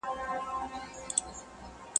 د خپل کور پير سړي ته نه معلومېږي.